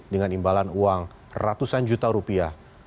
dengan imbalan uang ratusan juta rupiah